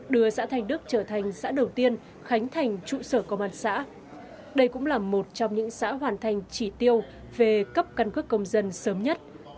đưa xã thành đức trở thành xã đầu tiên khánh thành trụ sở công an xã